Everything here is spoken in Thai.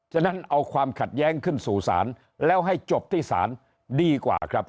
ฉะนั้นเอาความขัดแย้งขึ้นสู่ศาลแล้วให้จบที่ศาลดีกว่าครับ